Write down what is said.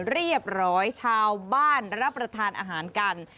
เรียบร้อยชาวบ้านรับประทานอาหารกัน